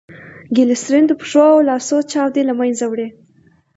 ګلیسرین دپښو او لاسو چاودي له منځه وړي.